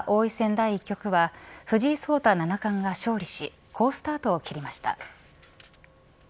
第１局は藤井聡太七冠が勝利し好スタートを切りました。